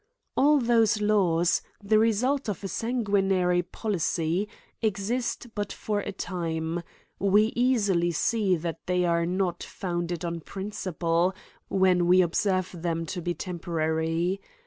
All those laVjTS, the result of a sanguinary policy, exist but for a time : we easily see that they are not founded on principle, when we observe them to be temporary.